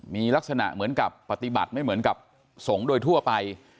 มีลักษณะเหมือนกับปฏิบัติไม่เหมือนกับสงฆ์โดยทั่วไป